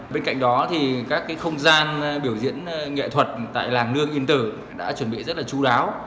bên cạnh đó thì các không gian biểu diễn nghệ thuật tại làng nương yên tử đã chuẩn bị rất là chú đáo